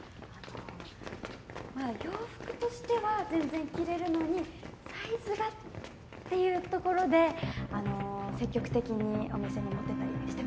まあ洋服としては全然着れるのにサイズがっていうところであの積極的にお店に持ってったりしてます。